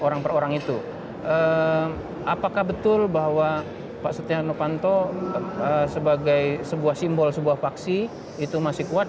apakah betul bahwa pak setia no panto sebagai sebuah simbol sebuah paksi itu masih kuat